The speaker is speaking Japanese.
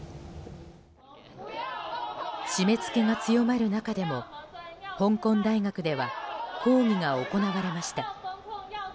締め付けが強まる中でも香港大学では抗議が行われました。